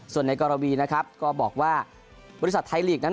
ส่วนในกรณีนะครับก็บอกว่าบริษัทไทยลีกนั้น